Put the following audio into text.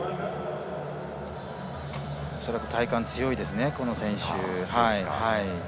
恐らく体幹が強いですね、この選手。